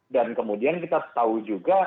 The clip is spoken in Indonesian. dan kemudian kita tahu juga